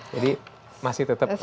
jadi masih tetap